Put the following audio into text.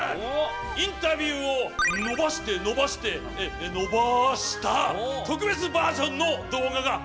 インタビューをのばしてのばしてのばした特別バージョンの動画が見られるぞ！